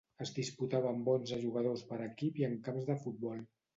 Es disputava amb onze jugadors per equip i en camps de futbol.